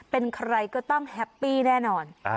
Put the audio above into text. เป็นใครก็ต้องแฮปปี้แน่นอน